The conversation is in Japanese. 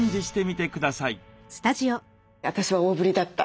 私は大ぶりだった。